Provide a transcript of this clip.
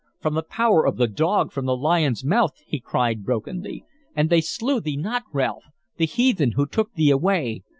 "From the power of the dog, from the lion's mouth," he cried brokenly. "And they slew thee not, Ralph, the heathen who took thee away!